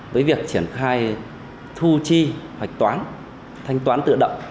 với việc triển khai thu chi hoạch toán thanh toán tự động